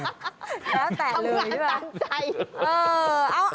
ทำงานตามใจ